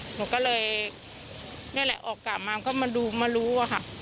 หนูก็เลยนี่แหละออกกลับมาก็มาดูมารู้อะค่ะ